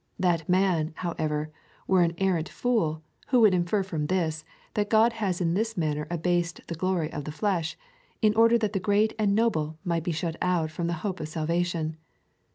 That man, however, were an arrant fool, who would infer from this, that God has in this manner abased the glory of the flesh, in order that the great and noble might be shut out from the hope of salvation.